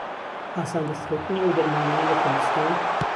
ئاسان دهستکهوتنی ئهو دهرمانانه له کوردستان